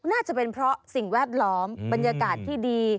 น่าจะเป็นเพราะสิ่งแวดล้อมบรรยากาศที่ดี